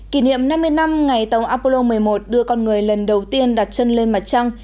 kỷ niệm năm mươi năm ngày tàu apollo một mươi một đưa con người lần đầu tiên đặt chân lên mặt trăng